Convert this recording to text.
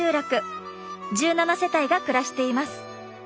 １７世帯が暮らしています。